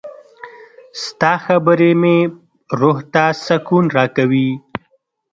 • ستا خبرې مې روح ته سکون راکوي.